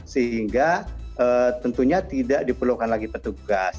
sehingga tentunya tidak diperlukan lagi petugas